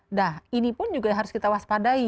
nah ini pun juga harus kita waspadai